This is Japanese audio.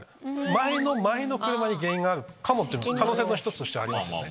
前の前の車に原因があるかも可能性の１つとしてありますよね。